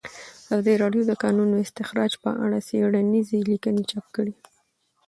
ازادي راډیو د د کانونو استخراج په اړه څېړنیزې لیکنې چاپ کړي.